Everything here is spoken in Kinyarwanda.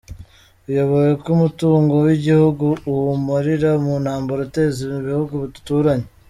Uyobewe ko umutungo w igihugu uwumarira muntambara uteza mubihugu duturanye?